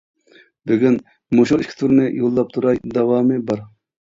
بۈگۈن مۇشۇ ئىككى تۈرنى يوللاپ تۇراي داۋامى بار.